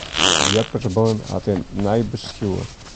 De ljeppersbûn hat in nij bestjoer.